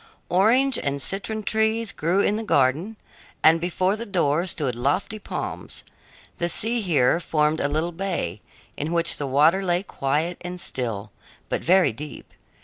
Orange and citron trees grew in the garden, and before the door stood lofty palms. The sea here formed a little bay, in which the water lay quiet and still, but very deep.